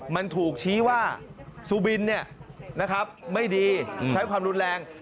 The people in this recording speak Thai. มันถูกชี้ว่าซูบินไม่ดีใช้ความรุนแรง